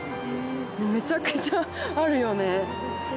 めちゃくちゃあるよね。